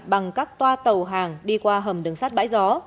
bằng các toa tàu hàng đi qua hầm đường sắt bãi gió